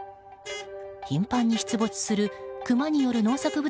頻繁に出没するクマによる農作物